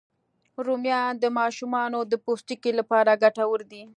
رومیان د ماشومانو د پوستکي لپاره ګټور دي